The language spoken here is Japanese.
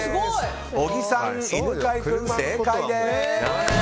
小木さん、犬飼君、正解です。